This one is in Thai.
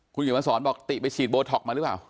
คุณกิษฐศรบอกติไปฉีดโบท็อกมาหรือเปล่า